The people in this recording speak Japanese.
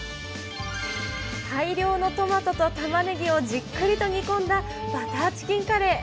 大量のトマトとたまねぎをじっくりと煮込んだバターチキンカレー。